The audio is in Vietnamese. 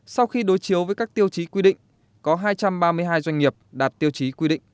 sau khi đối chiếu với các tiêu chí quy định có hai trăm ba mươi hai doanh nghiệp đạt tiêu chí quy định